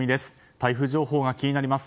台風情報が気になります。